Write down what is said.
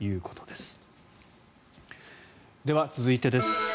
では、続いてです。